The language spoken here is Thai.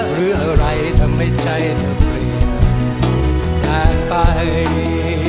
หรืออะไรทำให้ใจเธอเปลี่ยนผ่านไป